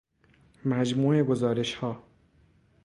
مجموع گزارش ها